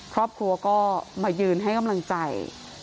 ครอบครัวก็มายืนให้กำลังใจ